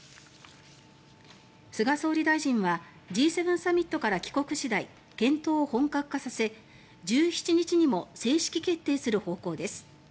菅総理大臣はＧ７サミットから帰国次第検討を本格化させ、１７日にも正式決定する方向です。